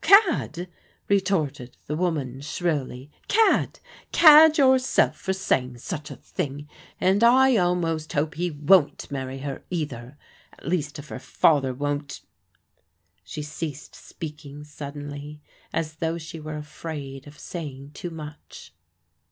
"Cad!" retorted the woman shrilly. "Cad! Cad yourself for saying such a thing! And I almost hope he won't marry her either, at least if her father won't " She ,ceased speaking suddenly as though she were afraid of saying too much.